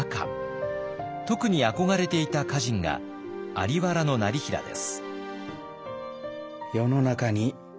特に憧れていた歌人が在原業平です。